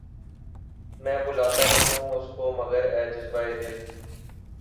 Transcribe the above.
میں بلاتا تو ہوں اس کو مگر اے جذبہ ِ دل